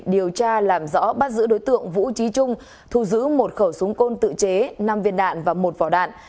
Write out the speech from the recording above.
điều tra làm rõ bắt giữ đối tượng vũ trí trung thu giữ một khẩu súng côn tự chế năm viên đạn và một vỏ đạn